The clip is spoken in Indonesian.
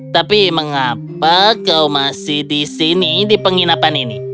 tapi mengapa kau masih di sini di penginapan ini